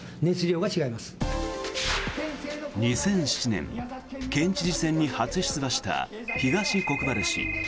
２００７年県知事選に初出馬した東国原氏。